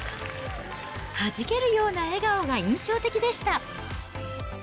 はじけるような笑顔が印象的でした。